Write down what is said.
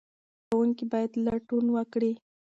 زده کوونکي باید لټون وکړي.